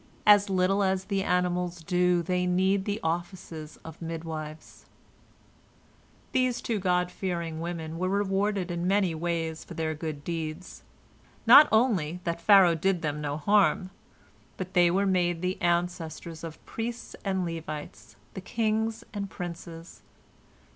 As little as the animals do they need the offices of midwives." These two God fearing women were rewarded in many ways for their good deeds. Not only that Pharaoh did them no harm, but they were made the ancestors of priests and Levites, and kings and princes.